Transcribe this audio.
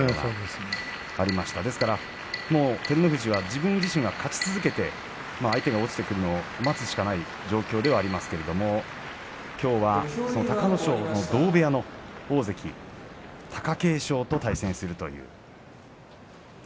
照ノ富士は自分自身が勝ち続けて相手が落ちてくるのを待つしかない状況ではありますけれどきょうは隆の勝の同部屋の大関貴景勝と対戦します。